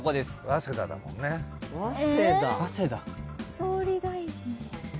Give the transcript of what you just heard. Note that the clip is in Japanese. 総理大臣。